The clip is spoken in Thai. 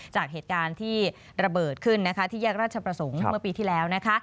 จากเหตุการณ์ที่ระเบิดขึ้นที่แยกราชประสงค์เมื่อปีที่แล้วนะคะ